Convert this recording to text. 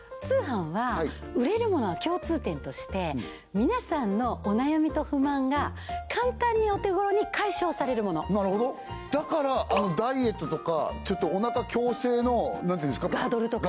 通販は売れるものは共通点として皆さんのお悩みと不満が簡単にお手ごろに解消されるものなるほどだからあのダイエットとかちょっとお腹矯正のガードル？